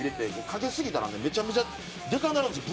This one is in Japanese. かけすぎたらねめちゃめちゃでかなるんですよ